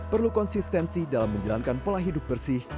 perlu konsistensi dalam menjalankan pola hidup bersih